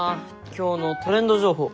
今日のトレンド情報。